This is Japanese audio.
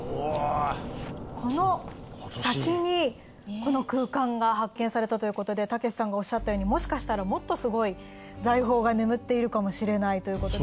この先にこの空間が発見されたということでたけしさんがおっしゃったようにもしかしたらもっとすごい財宝が眠っているかもしれないということで。